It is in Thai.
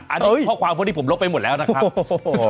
อันนี้ข้อความที่ผมลบไปหมดแล้วนะครับ